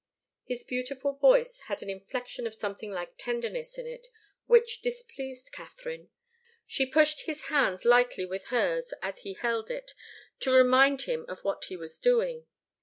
His beautiful voice had an inflection of something like tenderness in it, which displeased Katharine. She pushed his hands lightly with hers as he held it, to remind him of what he was doing.